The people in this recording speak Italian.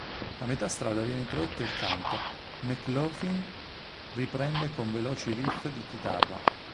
A metà strada viene introdotto il canto, McLaughlin riprende con veloci riff di chitarra.